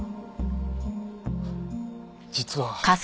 実は。